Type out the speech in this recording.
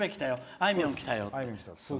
あいみょん来たよって。